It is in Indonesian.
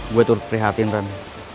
gue tuh prihatin tan